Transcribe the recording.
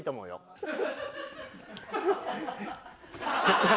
ハハハハ！